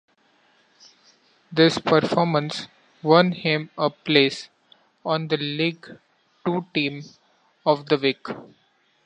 This performance won him a place on the League Two team of the week.